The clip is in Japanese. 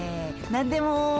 何でも。